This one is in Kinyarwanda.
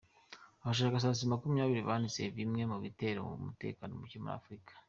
Abashakashatsi makumyabiri banditse bimwe mubitera umutekano muke muri afurika